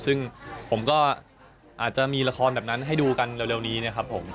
ซึ่งผมก็อาจจะมีละครแบบนั้นให้ดูกันเร็วนี้นะครับผม